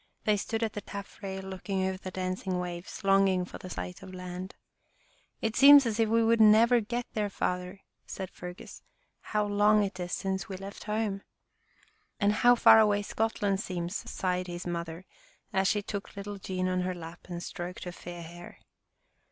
They stood at the taffrail looking over the dancing waves, longing for the sight of land. " It seems as if we would never get there, Father," said Fergus. " How long it is since we left home !"" And how far away Scotland seems," sighed his mother, as she took little Jean on her lap and stroked her fair hair.